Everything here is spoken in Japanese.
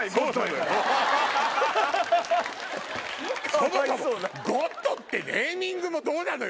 そもそも「ゴッド」ってネーミングもどうなのよ